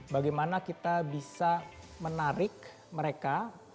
bagaimana kita bisa menarik mereka